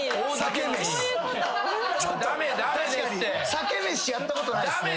酒飯やったことないっすね。